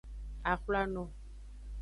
Axwlano.